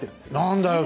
何だよ。